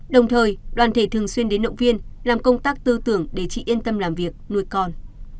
đồng thời đoàn thể thường xuyên đến động viên làm công tác tư tưởng để chị yên tâm làm việc nuôi con